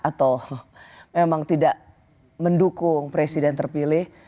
atau memang tidak mendukung presiden terpilih